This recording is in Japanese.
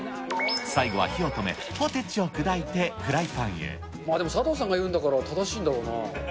最後は火を止め、でも佐藤さんが言うんだから、正しいんだろうな。